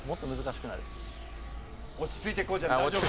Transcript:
落ち着いてこうちゃん。大丈夫。